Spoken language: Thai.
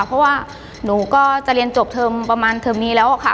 เพราะว่าหนูก็จะเรียนจบเทอมประมาณเทอมนี้แล้วค่ะ